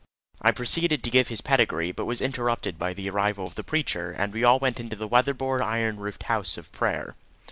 I proceeded to give his pedigree, but was interrupted by the arrival of the preacher, and we all went into the weatherboard iron roofed house of prayer.